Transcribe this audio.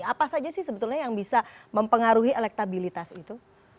apa saja sih sebetulnya yang bisa mempengaruhi elektabilitas itu